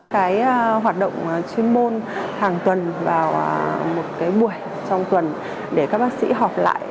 cái hoạt động chuyên môn hàng tuần vào một buổi trong tuần để các bác sĩ học lại